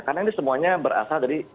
karena ini semuanya berasal dari